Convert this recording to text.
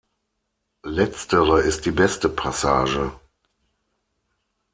Letztere ist die beste Passage.